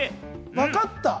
わかった！